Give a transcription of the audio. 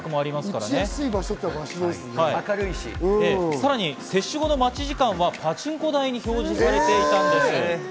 さらに接種後の待ち時間はパチンコ台に表示されていたんです。